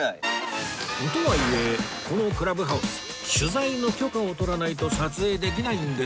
とはいえこのクラブハウス取材の許可を取らないと撮影できないんですけど